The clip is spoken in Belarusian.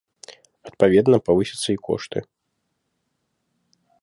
Адпаведна, павысяцца і кошты.